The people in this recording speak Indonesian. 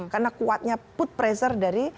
karena kuatnya put pressure dari